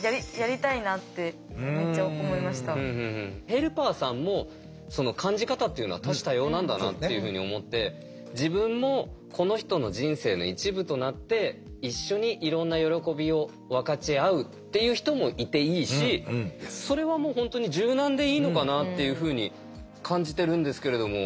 ヘルパーさんも感じ方っていうのは多種多様なんだなっていうふうに思って自分もこの人の人生の一部となって一緒にいろんな喜びを分かち合うっていう人もいていいしそれはもう本当に柔軟でいいのかなっていうふうに感じてるんですけれども。